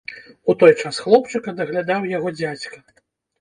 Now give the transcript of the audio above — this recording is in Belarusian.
У той час хлопчыка даглядаў яго дзядзька.